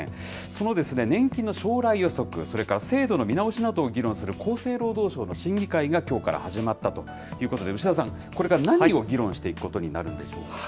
その年金の将来予測、それから制度の見直しなどを議論する、厚生労働省の審議会がきょうから始まったということで、牛田さん、これから何を議論していくことになるんでしょうか。